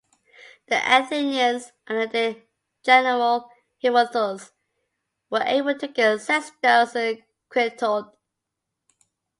The Athenians under their general Timotheus were able to gain Sestos and Krithote.